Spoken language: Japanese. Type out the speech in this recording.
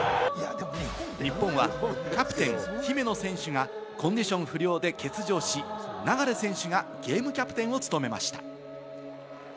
日本はキャプテン・姫野選手がコンディション不良で欠場し、流選手がゲームキャプテンを務めました。